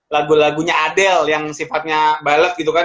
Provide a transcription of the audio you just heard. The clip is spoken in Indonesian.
lagu lagunya adele yang sifatnya ballad gitu kan